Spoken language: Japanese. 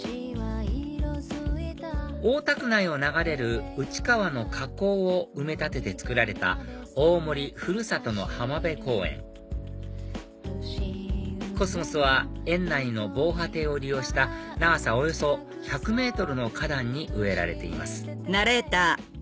大田区内を流れる内川の河口を埋め立てて造られた大森ふるさとの浜辺公園コスモスは園内の防波堤を利用した長さおよそ１００ｍの花壇に植えられています